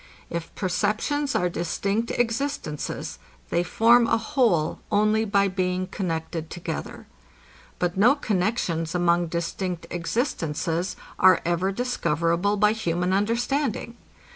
If perceptions are distinct existences, they form a whole only by being connected together. But no connexions among distinct existences are ever discoverable by human understanding.